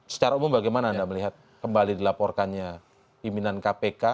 secara umum bagaimana anda melihat kembali dilaporkannya pimpinan kpk